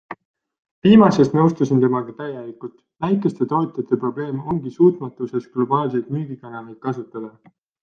Viimases nõustusin temaga täielikult - väikeste tootjate probleem ongi suutmatuses globaalseid müügikanaleid kasutada.